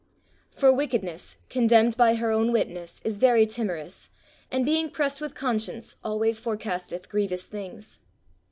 "... For wickedness, condemned by her own witness, is very timorous, and being pressed with conscience, always forecasteth grievous things.